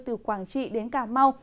từ quảng trị đến cà mau